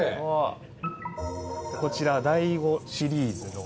こちら第５シリーズの。